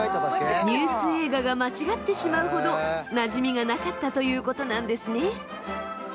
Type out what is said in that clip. ニュース映画が間違ってしまうほどなじみがなかったということなんですね。